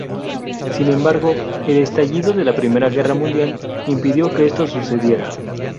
Sin embargo, el estallido de la Primera Guerra Mundial impidió que esto sucediera.